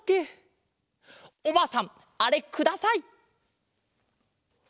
おばあさんあれください！